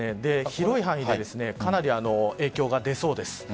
広い範囲でかなり影響が出そうです。